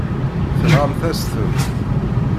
Tenɣamt-as-ten.